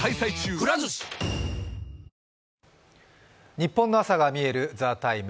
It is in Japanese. ニッポンの朝がみえる「ＴＨＥＴＩＭＥ，」